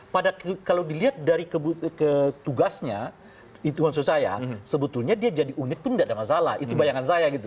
pada kalau dilihat dari tugasnya itu maksud saya sebetulnya dia jadi unit pun tidak ada masalah itu bayangan saya gitu